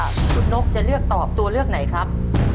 คุณนกจะเลือกตอบตัวเลือกไหนครับ